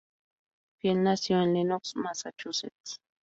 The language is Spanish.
Field nació en Lenox, Massachusetts.